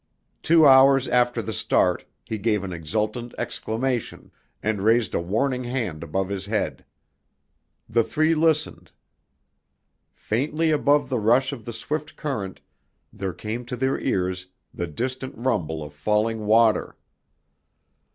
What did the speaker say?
Two hours after the start he gave an exultant exclamation, and raised a warning hand above his head. The three listened. Faintly above the rush of the swift current there came to their ears the distant rumble of falling water!